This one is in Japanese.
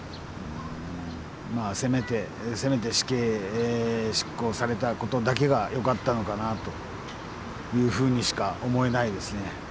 まあせめて死刑執行されたことだけがよかったのかなというふうにしか思えないですね。